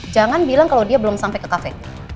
jangan bilang kalau dia belum sampai ke kafe